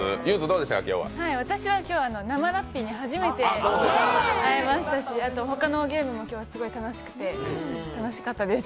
私は今日は生ラッピーに初めて会えましたしあと他のゲームもすごい楽しくて楽しかったです。